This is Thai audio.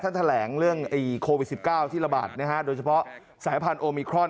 ท่านแถลงเรื่องโควิด๑๙ที่ระบาดโดยเฉพาะสายพันธุ์โอมิครอน